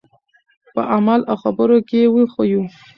په عمل او خبرو کې یې وښیو.